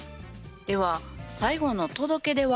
では最後の「届出」は？